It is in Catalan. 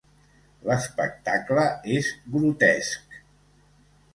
L'espectacle és grotesc.